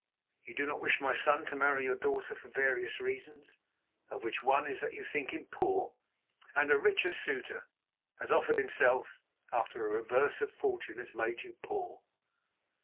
"You do not wish my son to marry your daughter for various reasons, of which one is that you think him poor and a richer suitor has offered himself after a reverse of fortune has made you poor.